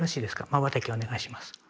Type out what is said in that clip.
まばたきをお願いします。